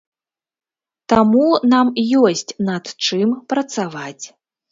Таму нам ёсць над чым працаваць.